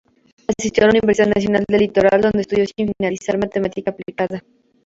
Asistió a la Universidad Nacional del Litoral, donde estudió, sin finalizar, matemática aplicada.